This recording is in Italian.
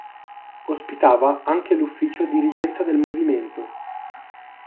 Ospitava anche l'ufficio dirigenza del movimento.